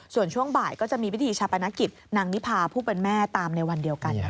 ส่วนช่วงบ่ายก็จะมีพิธีชาปนกิจนางนิพาผู้เป็นแม่ตามในวันเดียวกัน